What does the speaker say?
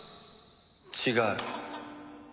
違う。